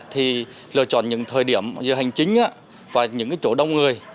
thì lựa chọn những thời điểm giữa hành chính và những chỗ đông người